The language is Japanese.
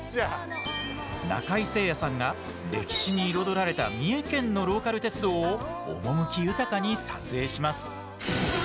中井精也さんが歴史に彩られた三重県のローカル鉄道を趣豊かに撮影します。